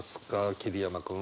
桐山君。